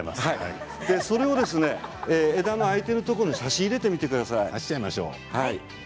それを枝の開いているところに挿し入れてみてください。